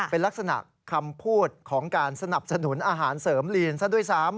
เป็นลักษณะคำพูดของการสนับสนุนอาหารเสริมลีนซะด้วยซ้ำ